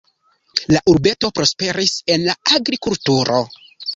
La urbeto prosperis el la agrikulturo.